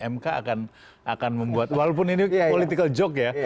mk akan membuat walaupun ini politikal jurnal